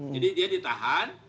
jadi dia ditahan